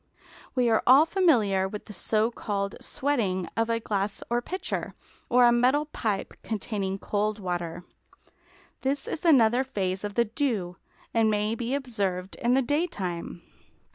We are all familiar with the so called "sweating" of a glass or pitcher, or a metal pipe containing cold water; this is another phase of the dew, and may be observed in the daytime.